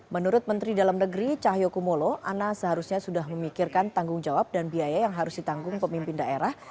menurut menteri dalam negeri cahyokumolo ana seharusnya sudah memikirkan tanggung jawab dan biaya yang harus ditanggung pemimpin daerah